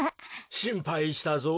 しんぱいしたぞ。